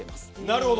なるほど。